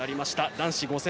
男子５０００